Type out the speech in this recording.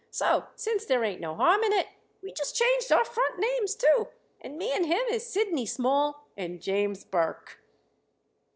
So, since there ain't no harm in it, we just changed our front names, too, and me and him is Sidney Small and James Burke."